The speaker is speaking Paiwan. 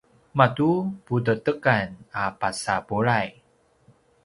matu putedekan a pasa bulay